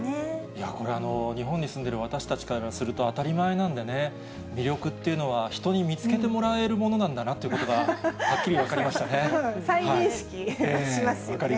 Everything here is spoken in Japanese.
いや、これ、日本に住んでいる私たちからすると、当たり前なんでね、魅力っていうのは、人に見つけてもらえるものなんだなということがはっきり分かりま再認識しますよね。